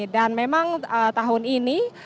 dan memang tahun ini